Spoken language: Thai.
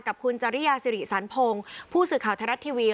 กับคุณจริยาสิริสันพงศ์ผู้สื่อข่าวไทยรัฐทีวี